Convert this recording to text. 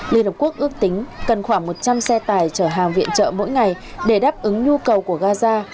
liên hợp quốc ước tính cần khoảng một trăm linh xe tải chở hàng viện trợ mỗi ngày để đáp ứng nhu cầu của gaza